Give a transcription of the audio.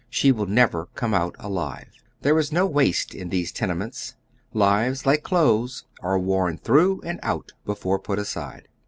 She will never come ont alive. There is no waste in these ten ements. Lives, like clothes, are worn through and out be fore pnt aside.